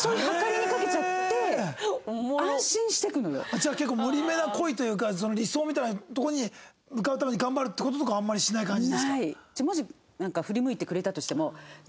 じゃあ結構無理めな恋というか理想みたいなとこに向かうために頑張るって事とかあんまりしない感じですか？